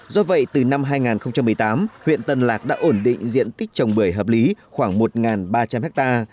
do vậy từ năm hai nghìn một mươi tám huyện tân lạc đã ổn định diện tích trồng bưởi hợp lý khoảng một ba trăm linh ha